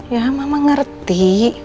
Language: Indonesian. ya mama ngerti